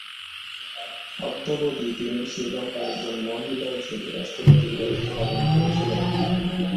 অদ্যাবধি তিনি শ্রীলঙ্কার একমাত্র মহিলা হিসেবে রাষ্ট্রপতির দায়িত্ব পালন করেছেন।